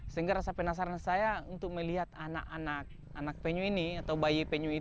sehingga rasak penasaran saya untuk melihat anak anak anak penyu ini atau bayi penyu di sana